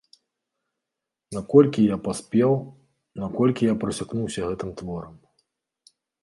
Наколькі я паспеў, наколькі я прасякнуўся гэтым творам?